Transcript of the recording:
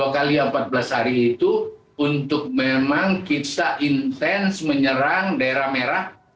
dua x empat belas hari itu untuk memang kita intens menyerang daerah merah